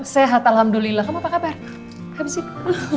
sehat alhamdulillah kamu apa kabar habis itu